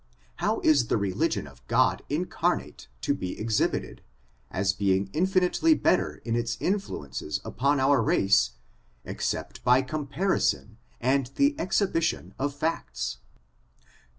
How is the religion of God incarnate to be exhibited, as being infinitely better in its influences upon our race, except by comparison and the exhibition of facts?